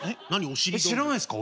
知らないですか？